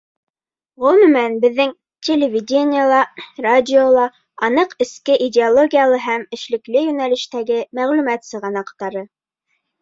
Ғөмүмән, беҙҙең телевидение ла, радио ла — аныҡ эске идеологиялы һәм эшлекле йүнәлештәге мәғлүмәт сығанаҡтары.